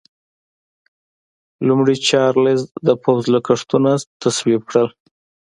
لومړي چارلېز د پوځ لګښتونه تصویب کړل.